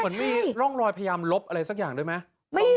เหมือนมีร่องรอยพยายามลบอะไรสักอย่างด้วยไหม